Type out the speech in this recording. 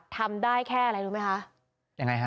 ทำได้แค่อะไรรู้ไหมคะ